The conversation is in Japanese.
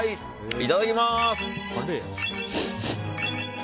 いただきます！